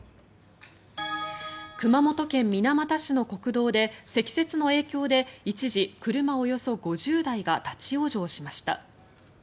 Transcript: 熊本県水俣市の国道で積雪の影響で一時、車およそ５０台が立ち往生しました。